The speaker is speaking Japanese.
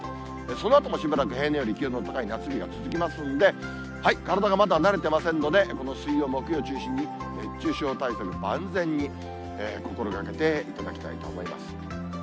そのあともしばらく平年より気温の高い夏日が続きますんで、体がまだ慣れてませんので、この水曜、木曜中心に熱中症対策、万全に心がけていただきたいと思います。